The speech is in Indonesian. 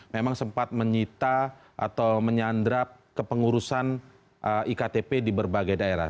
memang sempat menyita atau menyandrap kepengurusan iktp di berbagai daerah